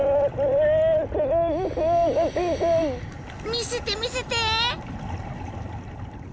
見せて見せて！